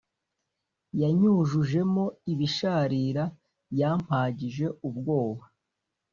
Yanyujujemo ibisharira yampagije ubwoba